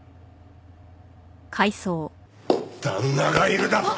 旦那がいるだと！？